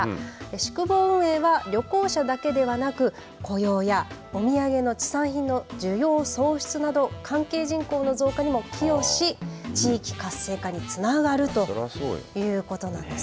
宿坊運営は旅行者だけではなく雇用やお土産の地産品の需要創出など関係人口の増加にも寄与し地域活性化にもつながるということなんです。